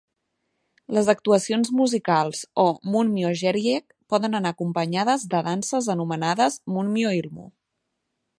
Les actuacions musicals o "munmyo jeryeak" poden anar acompanyades de danses anomenades "munmyo ilmu".